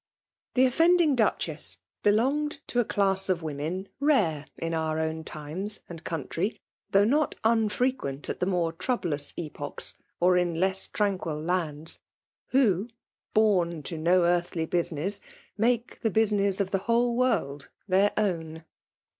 Thb offending Duchess belonged to a class of women rare in our own limes and country, though not unfrequent at the more troublous epochs, or in less tranquil lands ; who, bom to no earthly business, make the business of the whole world their own.